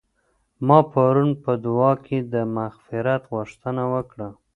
ما پرون په دعا کي د مغفرت غوښتنه وکړه.